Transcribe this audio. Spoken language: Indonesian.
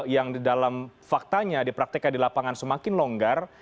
yang di dalam faktanya dipraktekan di lapangan semakin longgar